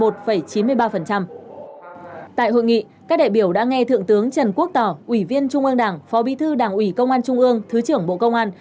tại hội nghị các đại biểu đã nghe thượng tướng trần quốc tỏ ủy viên trung ương đảng phó bí thư đảng ủy công an trung ương thứ trưởng bộ công an